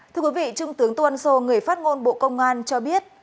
thưa quý vị trung tướng tôn sô người phát ngôn bộ công an cho biết